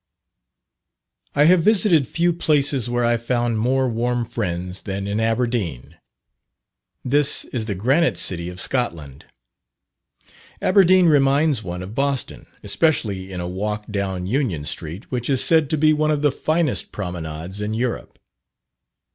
_ I have visited few places where I found more warm friends than in Aberdeen. This is the Granite City of Scotland. Aberdeen reminds one of Boston, especially in a walk down Union Street, which is said to be one of the finest promenades in Europe.